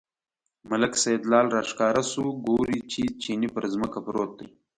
ملک سیدلال راښکاره شو، ګوري چې چیني پر ځمکه پروت دی.